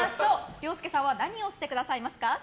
ＲＩＯＳＫＥさんは何をしてくださいますか。